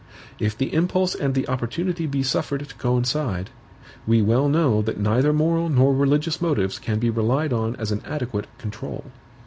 If the impulse and the opportunity be suffered to coincide, we well know that neither moral nor religious motives can be relied on as an adequate control.